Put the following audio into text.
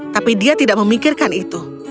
tapi dia tidak memikirkan itu